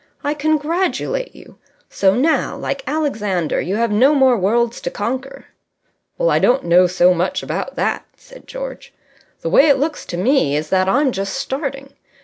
"I congratulate you. So now, like Alexander, you have no more worlds to conquer." "Well, I don't know so much about that," said George. "The way it looks to me is that I'm just starting.